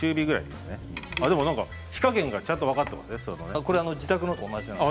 でもなんか火加減がちゃんと分かっていますね。